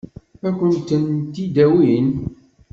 Ad kent-tent-id-awin?